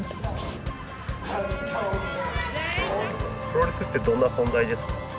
プロレスってどんな存在ですか？